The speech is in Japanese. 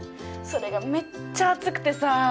それがめっちゃ熱くてさ。